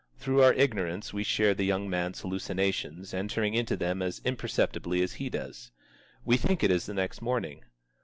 Through our ignorance we share the young man's hallucinations, entering into them as imperceptibly as he does. We think it is the next morning.